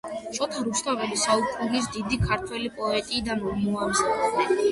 შოთა რუსთველი საუკუნის დიდი ქართველი პოეტი და მოაზროვნე